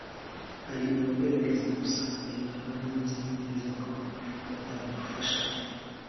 hari abagerageza gusa hari abandi nzi neza ko batadufasha